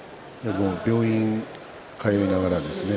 病院に通いながらですね